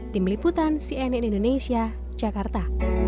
tim liputan cnn indonesia jakarta